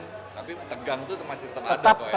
tapi tegang itu masih tetap ada kok ya